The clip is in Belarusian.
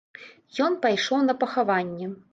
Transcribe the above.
Ён пайшоў на пахаванне.